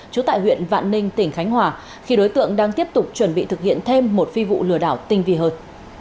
trú tại huyện vạn ninh tỉnh khánh hòa khi đối tượng đang tiếp tục chuẩn bị thực hiện thêm một phi vụ lừa đảo tinh vị hơn